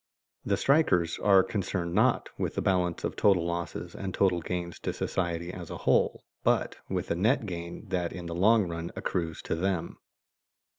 The strikers are concerned not with the balance of total losses and total gains to society as a whole, but with the net gain that in the long run accrues to them.